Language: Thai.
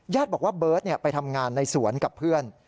บอกว่าเบิร์ตไปทำงานในสวนกับเพื่อน